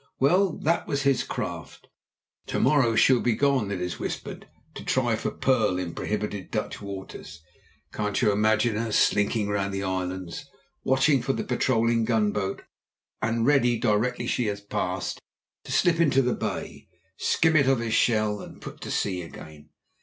Well, that was his craft. To morrow she'll be gone, it is whispered, to try for pearl in prohibited Dutch waters. Can't you imagine her slinking round the islands, watching for the patrolling gunboat, and ready, directly she has passed, to slip into the bay, skim it of its shell, and put to sea again.